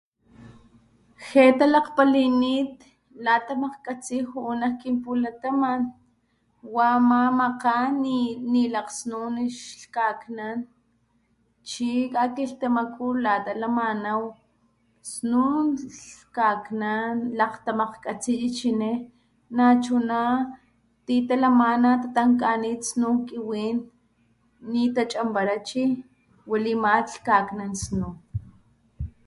Ge talakgpalinit la tamakgkatsi juu nak kinpulataman wama makgan nilakgsnun lhkaknan chi kakilhtamaku lata lamanaw snun lhkaknan lakgtamakgkgatsi chichini nachuna ti lalamana tatankanit snun kiwin nitachanbara chi wali ama lhkaknan snun.